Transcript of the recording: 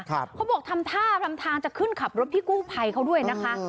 เขาบอกทำท่ารำทางจะขึ้นขับรถพี่กู้ภัยเขาด้วยนะคะ